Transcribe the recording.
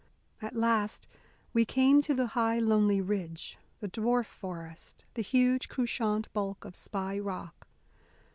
At last we came to the high, lonely ridge, the dwarf forest, the huge, couchant bulk of Spy Rock.